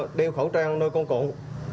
các biện pháp đeo khẩu trang nơi công cộng